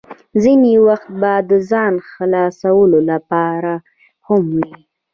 ځینې وخت به د ځان خلاصولو لپاره هم وې.